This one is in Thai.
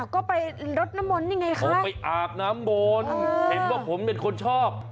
ก็ไปรดน้ำมนต์นี่ไงคะเขาไปอาบน้ำมนต์เห็นว่าผมเป็นคนชอบ